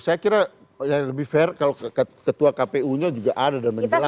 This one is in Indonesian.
saya kira yang lebih fair kalau ketua kpu nya juga ada dan menjelaskan